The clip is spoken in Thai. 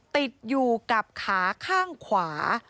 ติดอยู่กับขาข้างขวา